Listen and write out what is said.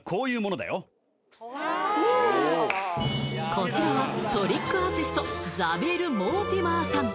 こちらはトリックアーティストザビエル・モーティマーさん